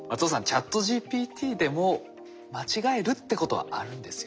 ＣｈａｔＧＰＴでも間違えるってことはあるんですよね。